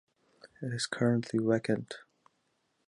It is currently vacant.